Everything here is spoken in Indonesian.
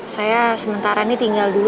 saya sementara ini tinggal dulu